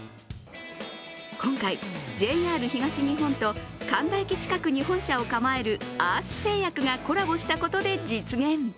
今回、ＪＲ東日本と神田駅近くに本社を構えるアース製薬がコラボしたことで実現。